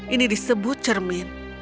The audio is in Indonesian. ini disebut cermin